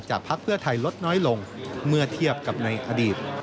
พักเพื่อไทยลดน้อยลงเมื่อเทียบกับในอดีต